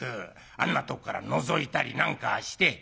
あんなとこからのぞいたりなんかして」。